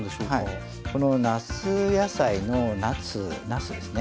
この夏野菜のなすなすですね。